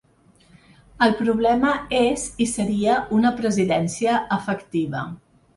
El problema és i seria una presidència efectiva.